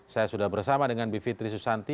saya sudah bersama dengan bivitri susanti